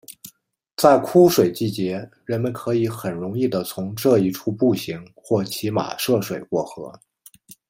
在枯水季节人们可以很容易的从这一处步行或骑马涉水过河。